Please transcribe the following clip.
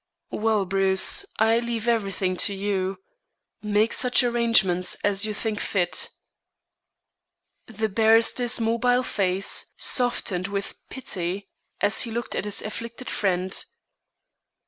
"Well, Bruce, I leave everything to you. Make such arrangements as you think fit." The barrister's mobile face softened with pity as he looked at his afflicted friend.